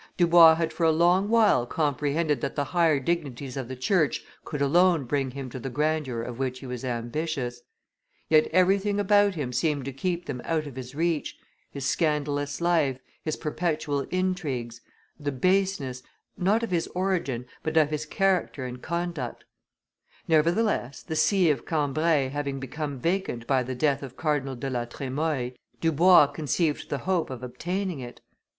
Dubois had for a long while comprehended that the higher dignities of the church could alone bring him to the grandeur of which he was ambitious; yet everything about him seemed to keep them out of his reach, his scandalous life, his perpetual intrigues, the baseness, not of his origin, but of his character and conduct; nevertheless, the see of Cambrai having become vacant by the death of Cardinal de la Tremoille, Dubois conceived the hope of obtaining it.